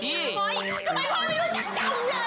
ตอนแรกแม่นอนอยู่แม่ก็ไม่รู้ครับถึงมาพ่อหายไปไหนที่ไหนได้